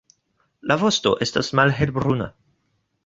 La vosto estas malhelbruna.